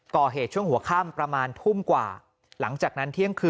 ก่อเหตุช่วงหัวค่ำประมาณทุ่มกว่าหลังจากนั้นเที่ยงคืน